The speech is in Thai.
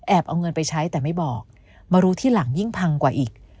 เอาเงินไปใช้แต่ไม่บอกมารู้ที่หลังยิ่งพังกว่าอีก